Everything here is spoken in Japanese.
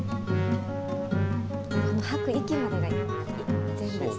この吐く息までが全部一とおりですね。